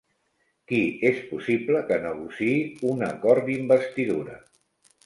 Qui és possible que negociï un acord d'investidura?